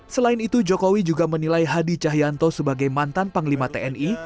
selain itu jokowi juga menilai hadi cahyanto sebagai mantan panglima tni